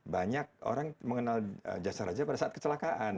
banyak orang mengenal jasaraja pada saat kecelakaan